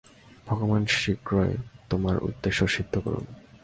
ভগবান শীঘ্র তোমার উদ্দেশ্য সিদ্ধ করুন।